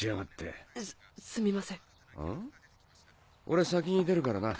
俺先に出るからな。